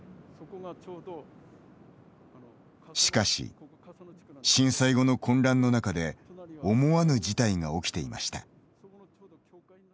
しかし、震災後の混乱の中で思わぬ事態が起きていました。